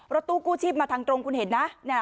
รถตู้กู้ชีพมาทางตรงคุณเห็นนะ